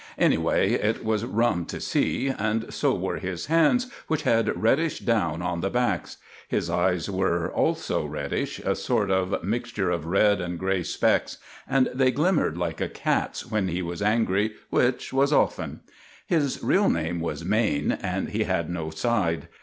Anyway, it was rum to see; and so were his hands, which had reddish down on the backs. His eyes were, also reddish a sort of mixture of red and gray specks, and they glimmered like a cat's when he was angry, which was often. His real name was Maine, and he had no side.